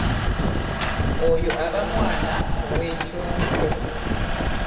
Oyo aba mwana ow'ekyonko.